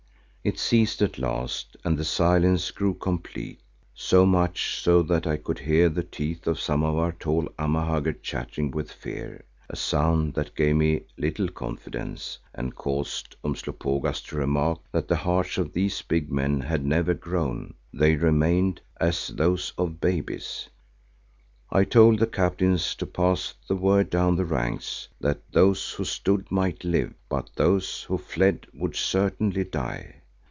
It ceased at last and the silence grew complete, so much so that I could hear the teeth of some of our tall Amahagger chattering with fear, a sound that gave me little confidence and caused Umslopogaas to remark that the hearts of these big men had never grown; they remained "as those of babies." I told the captains to pass the word down the ranks that those who stood might live, but those who fled would certainly die.